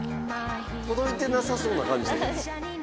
届いてなさそうな感じ。